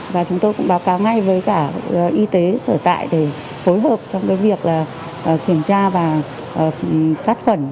và chúng tôi cũng báo cáo ngay với cả y tế sở tại để phối hợp trong việc kiểm tra và sát khuẩn